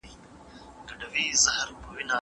هغه به تر ماښامه ناست وي.